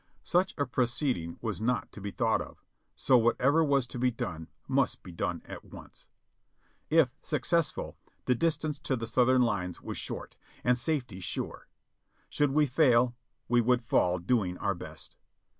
Such a proceeding was not to be thought of ; so whatever was to be done must be done at once. If successful the distance to the Southern lines was short, and safety sure. Should we fail we would fall doing our best.